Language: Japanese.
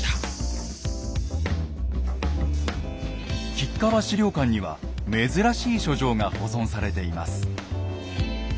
吉川史料館には珍しい書状が保存されています。